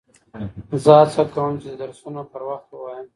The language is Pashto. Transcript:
زه هڅه کوم، چي درسونه پر وخت ووایم.